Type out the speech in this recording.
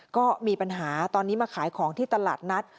ก็มีปัญหาตอนนี้มาขายของที่ตลาดนัด